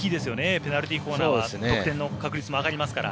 ペナルティーコーナーは得点の確率も上がりますから。